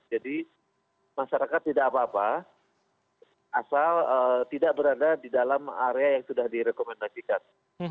jadi masyarakat tidak apa apa asal tidak berada di dalam area yang sudah direkomendasikan